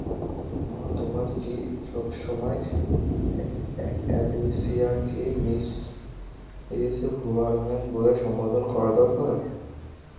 মা, তোমার কি সবসময় অ্যালিসিয়াকে মিস হুবারম্যান বলে সম্বোধন করা দরকার?